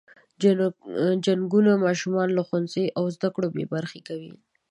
جنګونه ماشومان له ښوونځي او زده کړو بې برخې کوي.